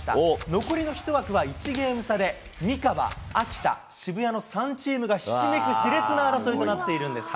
残りの１枠は１ゲーム差で三河、秋田、渋谷の３チームがひしめくしれつな争いとなっているんです。